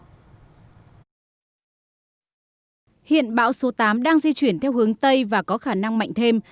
hiện bão số tám đang di chuyển theo hướng tây và có khả năng mạnh thêm